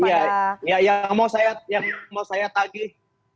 ya mau saya tagih